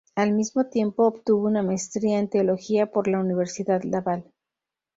Al mismo tiempo obtuvo una Maestría en Teología por la Universidad Laval.